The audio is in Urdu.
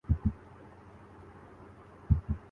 میں دوسروں کے احساسات سے لا تعلق رہتا ہوں